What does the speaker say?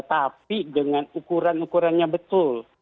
tapi dengan ukuran ukurannya betul